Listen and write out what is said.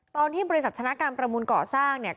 ตอนที่บริษัทชนะการประมูลก่อสร้างเนี่ย